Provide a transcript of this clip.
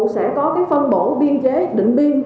sẽ có phân bổ biên chế định biên